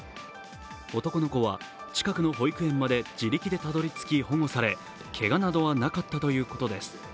男の子は近くの保育園まで自力でたどり着き保護され、けがなどはなかったということです。